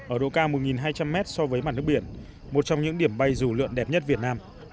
ở độ cao một hai trăm linh mét so với mặt nước biển một trong những điểm bay dù lượn đẹp nhất việt nam